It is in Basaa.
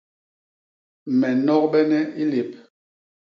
Me nnogbene i lép.